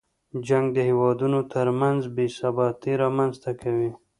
جنګ د هېوادونو تر منځ بې ثباتۍ رامنځته کوي.